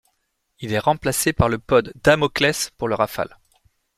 Il est remplacé par le pod Damocles pour le Rafale.